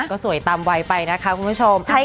ก็สวยตามวัยไปนะคะคุณผู้ชม